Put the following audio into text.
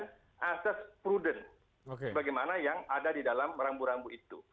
dan azas prudent bagaimana yang ada di dalam rambu rambu itu